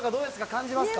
感じますか？